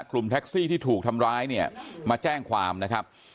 กลุ่มแท็กซี่ที่ถูกทำร้ายเนี่ยมาแจ้งความนะครับ